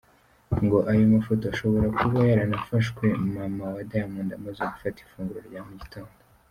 Ngo ayo mafoto ashobora kuba yarafashwe mama wa Diamond amaze gufata ifunguro rya mugitondo.